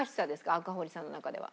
赤堀さんの中では。